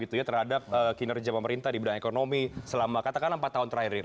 terhadap kinerja pemerintah di bidang ekonomi selama katakanlah empat tahun terakhir ini